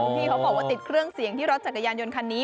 พี่เขาบอกว่าติดเครื่องเสียงที่รถจักรยานยนต์คันนี้